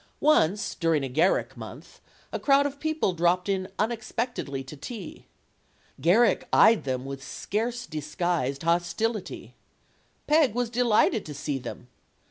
Once, during a Garrick month, a crowd of people dropped in unexpectedly to tea. Garrick eyed them with scarce disguised hostility. Peg was delighted to see them.